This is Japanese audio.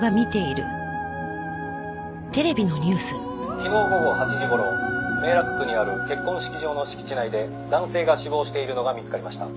「昨日午後８時頃明楽区にある結婚式場の敷地内で男性が死亡しているのが見つかりました」